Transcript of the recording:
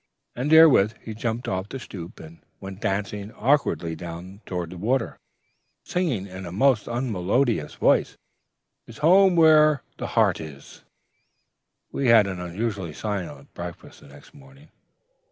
"And therewith he jumped off the stoop, and went dancing awkwardly down toward the water, singing in a most unmelodious voice, ''Tis home where'er the heart is.' ... "We had an unusually silent breakfast the next morning.